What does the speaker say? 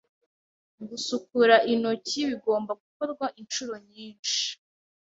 ngusukura intoki bigomba gukorwa inshuro nyinshi.